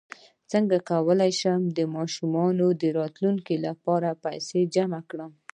څنګ کولی شم د ماشومانو د راتلونکي لپاره پیسې جمع کړم